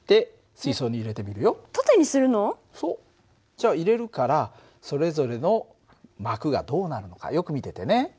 じゃあ入れるからそれぞれの膜がどうなるのかよく見ててね。